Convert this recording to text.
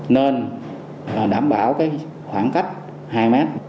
nên đảm bảo khoảng cách hai m